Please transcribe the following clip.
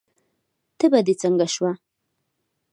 تبه دې څنګه شوه؟